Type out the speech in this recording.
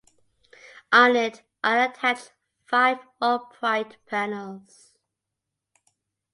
On it are attached five upright panels.